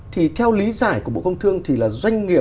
thì theo lý giải của bộ công thương thì là doanh nghiệp